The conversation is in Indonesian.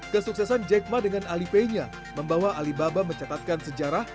kesuksesan jack ma dengan alipay nya membawa alibaba mencatatkan sejarah